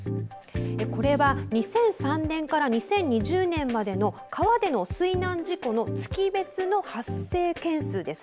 ２００３年から２０２０年までの川で水難事故の月別の発生件数です。